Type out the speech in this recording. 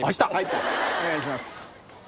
お願いします。